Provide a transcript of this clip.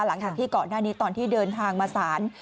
หลังจากที่ก่อนหน้านี้ตอนที่เดินทางมาศาล